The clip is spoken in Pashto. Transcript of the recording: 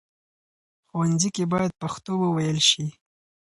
ښوونځي کې بايد پښتو وويل شي.